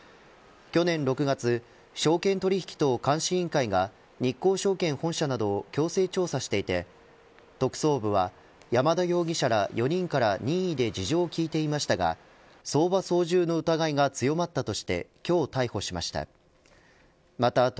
去年６月証券取引等監視委員会が日興証券本社などを強制調査していて特捜部は山田容疑者ら４人から任意で事情を聴いていましたが相場操縦の疑いが強まったとして今日、逮捕しました。